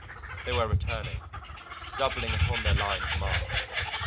They were returning, doubling upon their line of march.